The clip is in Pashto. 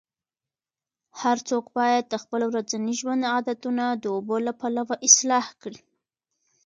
هر څوک باید د خپل ورځني ژوند عادتونه د اوبو له پلوه اصلاح کړي.